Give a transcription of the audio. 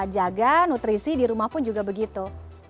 jaga nutrisi di rumah pun juga begitu